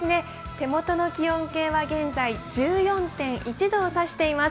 手元の気温計は現在、１４．１度を指しています。